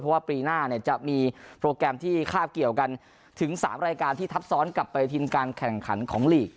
เพราะว่าปีหน้าเนี่ยจะมีโปรแกรมที่คาบเกี่ยวกันถึง๓รายการที่ทับซ้อนกลับไปทินการแข่งขันของลีก